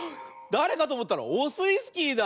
だれかとおもったらオスイスキーだ。